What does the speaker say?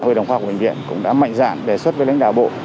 hội đồng khoa của bệnh viện cũng đã mạnh dạn đề xuất với lãnh đạo bộ